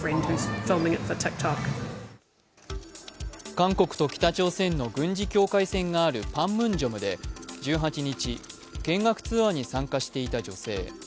韓国と北朝鮮の軍事境界線があるパンムンジョムで１８日、見学ツアーに参加していた女性。